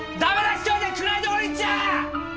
一人で暗い所に行っちゃ！